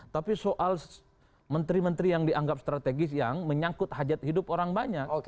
tapi soal menteri menteri yang dianggap strategis yang menyangkut hajat hidup orang banyak